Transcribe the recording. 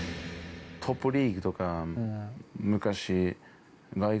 トップリーグとか昔。